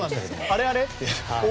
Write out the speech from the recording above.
あれあれ？